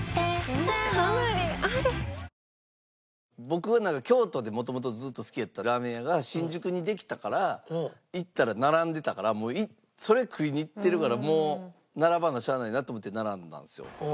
僕は京都でもともとずっと好きやったラーメン屋が新宿にできたから行ったら並んでたからそれ食いに行ってるからもう並ばなしゃあないなと思って並んだんですよ。